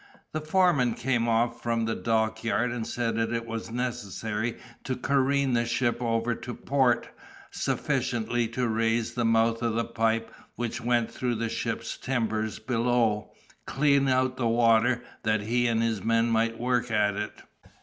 The foreman came off from the dockyard, and said that it was necessary to careen the ship over to port, sufficiently to raise the mouth of the pipe, which went through the ship's timbers below, clean out of the water, that he and his men might work at it.